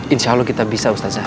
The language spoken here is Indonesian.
insya allah kita bisa ustaz